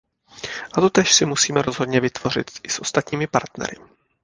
A totéž si musíme rozhodně vytvořit i s ostatními partnery.